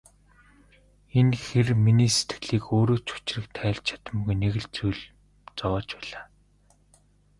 Энэ хэр миний сэтгэлийг өөрөө ч учрыг тайлж чадамгүй нэг л зүйл зовоож байлаа.